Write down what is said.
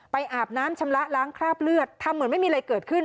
อาบน้ำชำระล้างคราบเลือดทำเหมือนไม่มีอะไรเกิดขึ้น